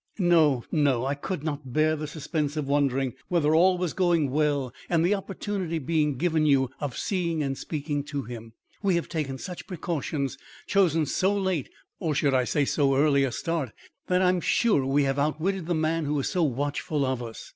"No, no. I could not bear the suspense of wondering whether all was going well and the opportunity being given you of seeing and speaking to him. We have taken such precautions chosen so late (or should I say so early) a start that I'm sure we have outwitted the man who is so watchful of us.